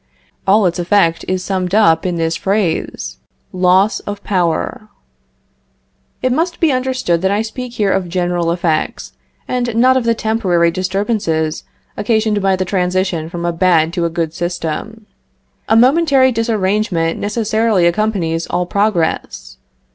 All its effect is summed up in this phrase loss of power. It must be understood that I speak here of general effects, and not of the temporary disturbances occasioned by the transition from a bad to a good system. A momentary disarrangement necessarily accompanies all progress.